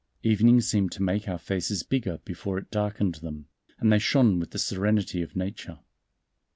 Evening seemed to make our faces bigger before it darkened them, and they shone with the serenity of nature.